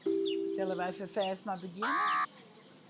Sille wy ferfêst mar begjinne?